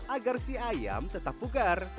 agar si ayam tetap pugar